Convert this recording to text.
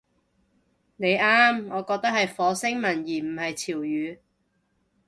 你啱，我覺得係火星文而唔係潮語